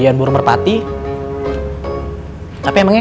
after makan sama sendiri